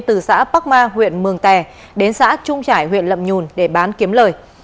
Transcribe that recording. từ xã bắc ma huyện mường tè đến xã trung trải huyện lậm nhùn để bán kiếm lời